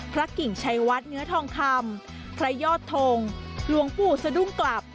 กิ่งชัยวัดเนื้อทองคำพระยอดทงหลวงปู่สะดุ้งกลับ